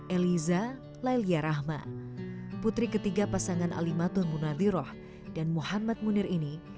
elisa lailia rahma putri ketiga pasangan ali madun munadiroh dan muhammad munir ini